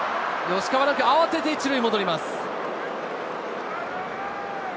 吉川、慌てて１塁に戻ります。